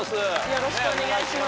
よろしくお願いします